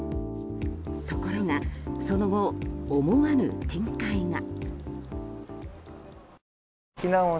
ところがその後、思わぬ展開が。